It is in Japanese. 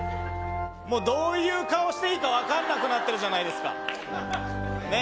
もうどういう顔していいか分かんなくなってるじゃないですか。ねぇ？